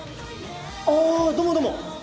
あぁどうもどうも。